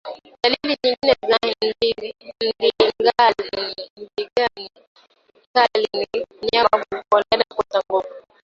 Dalili nyingine ya ndigana kali ni mnyama kukondeana na kukosa nguvu